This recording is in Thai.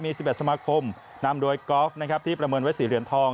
มี๑๑สมาคมนำโดยกอล์ฟนะครับที่ประเมินไว้๔เหรียญทอง